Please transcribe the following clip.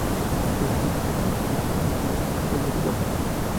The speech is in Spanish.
Fue escrita y realizada íntegramente por Roger Waters.